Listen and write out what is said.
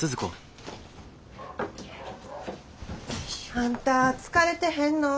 あんた疲れてへんの？